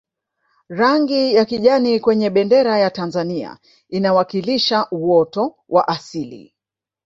rangi ya kijani kwenye bendera ya tanzania inawakilisha uoto wa asili